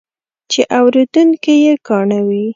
چې اورېدونکي یې کاڼه وي.